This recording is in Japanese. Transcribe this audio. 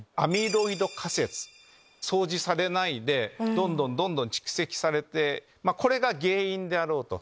掃除されないでどんどんどんどん蓄積されてこれが原因であろうと。